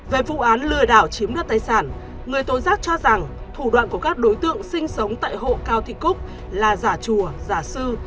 về vụ án lừa đảo chiếm đoạt tài sản người tố giác cho rằng thủ đoạn của các đối tượng sinh sống tại hộ cao thị cúc là giả chùa giả sư